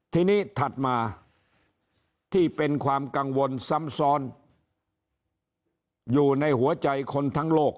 ทีนี้ถัดมาที่เป็นความกังวลซ้ำซ้อนอยู่ในหัวใจคนทั้งโลก